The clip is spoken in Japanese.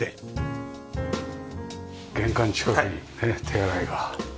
玄関近くにね手洗いが。